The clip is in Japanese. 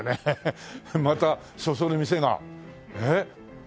またそそる店がええ。